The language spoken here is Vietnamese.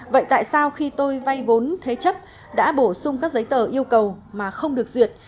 vậy tại sao khi tôi vay vốn thế chấp đã bổ sung các giấy tờ yêu cầu mà không được duyệt